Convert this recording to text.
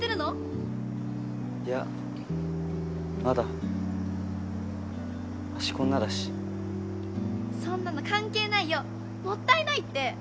いやまだ足こんなだしそんなの関係ないよ！もったいないって！